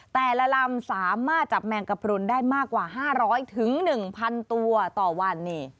แต่ละลำสามารถจับแมงกระพรุนได้มากกว่า๕๐๐๑๐๐ตัวต่อวัน